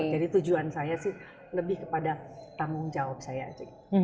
tapi sebenarnya saya sih lebih kepada tamu jawab saya aja